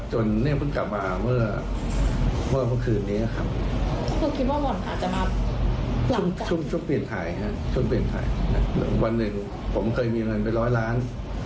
ช่วงเปลี่ยนขายวันหนึ่งผมเคยมีเงินไป๑๐๐ล้าน